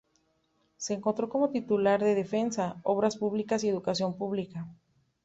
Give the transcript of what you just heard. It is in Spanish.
Se encontró como titular de defensa, obras públicas y educación publica.